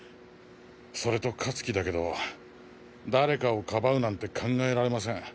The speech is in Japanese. それと香月だけど誰かを庇うなんて考えられません。